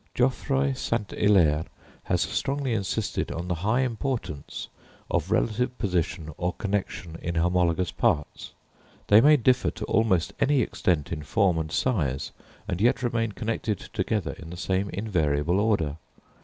Geoffroy St. Hilaire has strongly insisted on the high importance of relative position or connexion in homologous parts; they may differ to almost any extent in form and size, and yet remain connected together in the same invariable order.